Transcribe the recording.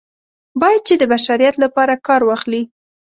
باید چې د بشریت لپاره کار واخلي.